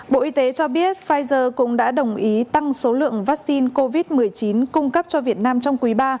bộ y tế cho biết pfizer cũng đã đồng ý tăng số lượng vaccine covid một mươi chín cung cấp cho việt nam trong quý ba